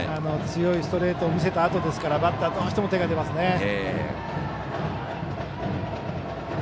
強いストレートを見せたあとですからバッターどうしても手が出ますね。